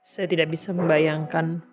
saya tidak bisa membayangkan